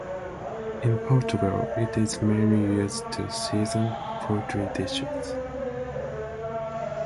In Portugal, it is mainly used to season poultry dishes.